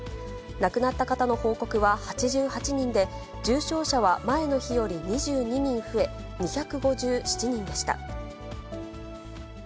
亡くなった方の報告は８８人で、重症者は前の日より２２人増え、２５７人でした。